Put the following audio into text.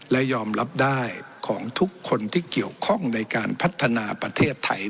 และยอมรับได้ของทุกคนที่เกี่ยวข้องในการพัฒนาประเทศไทย